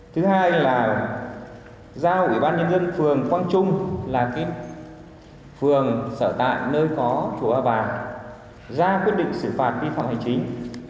thứ hai là giao ủy ban nhân dân phường quang trung là phường sở tại nơi có chùa ba vàng ra quyết định xử phạt vi phạm hành chính